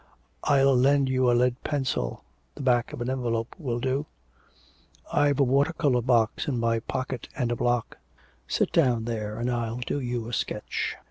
I'll lend you a lead pencil, the back of an envelope will do.' 'I've a water colour box in my pocket and a block. Sit down there and I'll do you a sketch.'